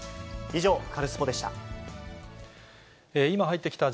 以上、カルスポっ！でした。